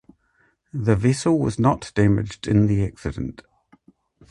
The vessel was not damaged in the accident.